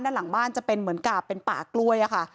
ด้านหลังบ้านจะเป็นเหมือนกับเป็นป่ากล้วยค่ะ